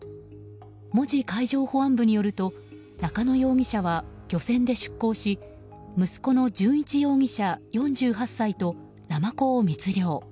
門司海上保安部によると中野容疑者は漁船で出港し息子の純一容疑者、４８歳とナマコを密漁。